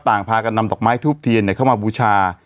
ต่างพากันนำตั๊อกไม้ทูบเทียเนี่ยเข้ามาบูชา